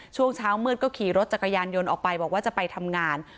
ช่วงเช้ามืดก็ขี่รถจักรยานยนต์ออกไปบอกว่าจะไปทำงาน